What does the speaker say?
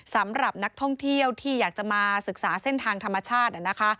สำหรับนักท่องเที่ยวที่อยากจะมาศึกษาเส้นทางธรรมชาติ